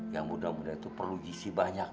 yang muda muda itu perlu isi banyak